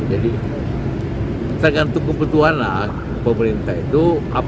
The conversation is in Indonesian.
jadi tergantung kebutuhan lah pemerintah itu